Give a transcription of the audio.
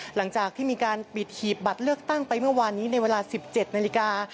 หลังจากที่มีการปิดหีบบัตรเลือกตั้งไปเมื่อวานนี้ในเวลา๑๗นาฬิกา